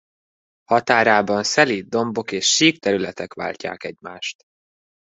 Határában szelíd dombok és sík területek váltják egymást.